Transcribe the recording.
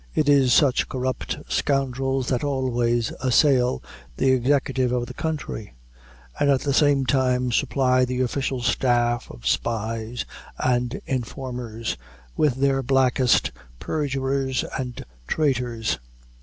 It is such corrupt scoundrels that always assail the executive of the country, and at the same time supply the official staff of spies and informers with their blackest perjurers and traitors.